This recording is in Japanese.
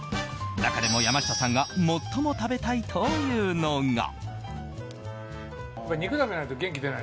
中でも山下さんが最も食べたいというのが。